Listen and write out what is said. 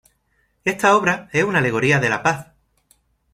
Esta obra es una alegoría de la Paz.